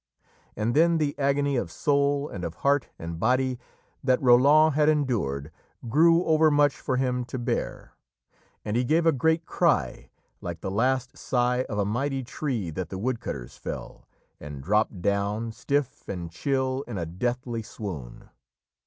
And then the agony of soul and of heart and body that Roland had endured grew overmuch for him to bear, and he gave a great cry, like the last sigh of a mighty tree that the woodcutters fell, and dropped down, stiff and chill, in a deathly swoon.